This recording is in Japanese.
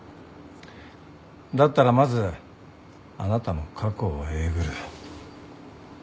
だったらまずあなたの過去をえぐる。